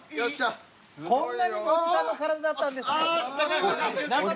こんなにおじさんの体だったんですね。